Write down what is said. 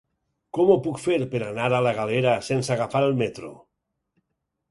Com ho puc fer per anar a la Galera sense agafar el metro?